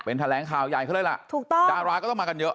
เป็นแถลงข่าวใหญ่เขาเลยล่ะถูกต้องดาราก็ต้องมากันเยอะ